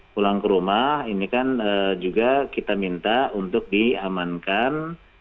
pulang ke rumah ini kan juga kita minta untuk diamankan